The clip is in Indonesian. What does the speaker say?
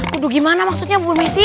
kudu gimana maksudnya bu messi